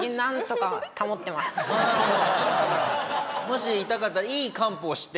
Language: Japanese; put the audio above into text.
もし痛かったら。